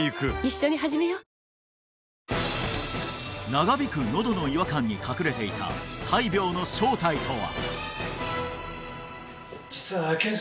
長引くのどの違和感に隠れていた大病の正体とは？